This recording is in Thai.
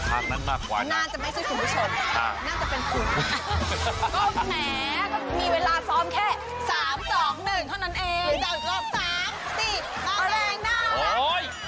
ตรงนี้คนเบาไฟมือและมันชลาย